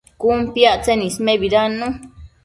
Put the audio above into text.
Cun piactsen ismebidannu